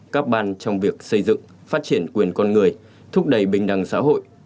các ban trong việc xây dựng phát triển quyền con người thúc đẩy bình đẳng xã hội